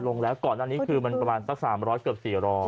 ลงแล้วก่อนอันนี้คือมันประมาณสัก๓๐๐เกือบ๔๐๐